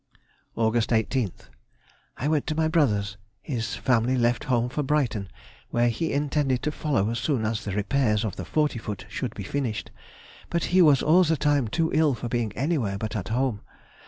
Aug. 18th.—I went to my brother's, his family left home for Brighton, where he intended to follow as soon as the repairs of the forty foot should be finished; but he was all the time too ill for being anywhere but at home.